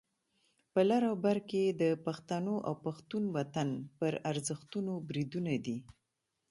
په لر او بر کې د پښتنو او پښتون وطن پر ارزښتونو بریدونه دي.